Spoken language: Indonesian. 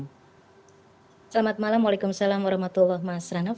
selamat malam waalaikumsalam warahmatullahi wabarakatuh mas ranof